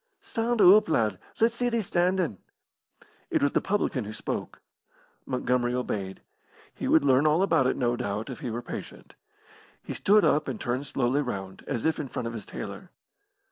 "Stand oop, lad; let's see thee standin'." It was the publican who spoke. Montgomery obeyed. He would learn all about it, no doubt, if he were patient. He stood up and turned slowly round, as if in front of his tailor.